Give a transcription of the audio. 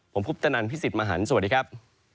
ผมพุทธนันพี่สิทธิ์มหันฯสวัสดีครับ